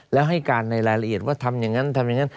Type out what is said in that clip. และให้การในรายละเอียดว่าทำอย่างนั้น